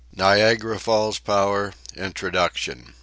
NIAGARA FALLS POWER INTRODUCTION.